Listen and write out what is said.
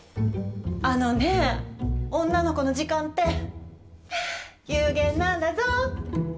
あのね女の子の時間って有限なんだぞ。